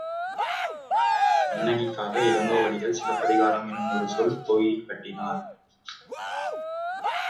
கண்ணகிக்காக இளங்கோவடிகள் சிலப்பதிகாரம் என்னும் ஒரு சொல் கோயில் கட்டினார்.